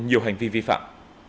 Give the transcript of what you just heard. nhiều hành vi vi phạm